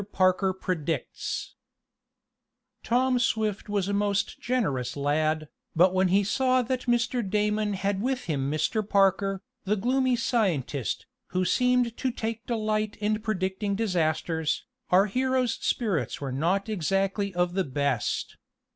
PARKER PREDICTS Tom Swift was a most generous lad, but when he saw that Mr. Damon had with him Mr. Parker, the gloomy scientist, who seemed to take delight in predicting disasters, our hero's spirits were not exactly of the best.